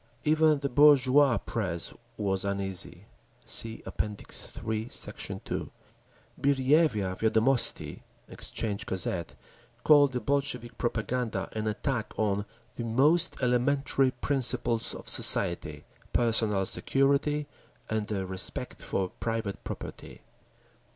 Even the bourgeois press was uneasy. (See App. III, Sect. 2) Birjevya Viedomosti (Exchange Gazette) called the Bolshevik propaganda an attack on "the most elementary principles of society—personal security and the respect for private property."